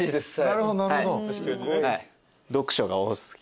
なるほどなるほど。